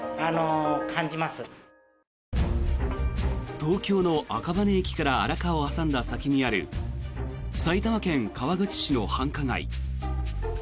東京の赤羽駅から荒川を挟んだ先にある埼玉県川口市の繁華街。